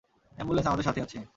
Ambulance আমাদের সাথেই আছে।